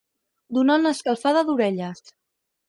Donar una escalfada d'orelles.